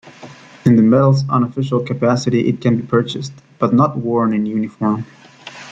In the medal's unofficial capacity it can be purchased, but not worn in uniform.